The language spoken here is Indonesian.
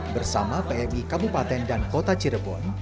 bersama pmi kabupaten dan kota cirebon